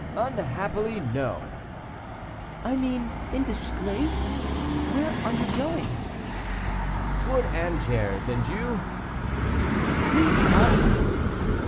"Unhappily; no." "I mean in disgrace. Where are you going?" "Towards Angers, and you?" "We also."